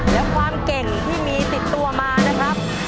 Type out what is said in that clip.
และความเก่งที่มีติดตัวมานะครับ